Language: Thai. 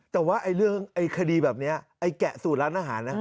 แต่ว่าเรื่องคดีแบบนี้ไอ้แกะสูตรร้านอาหารนะ